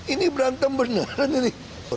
ini berantem beneran ini